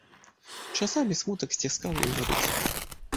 Часамі смутак сціскаў ёй грудзі.